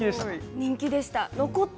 人気でした。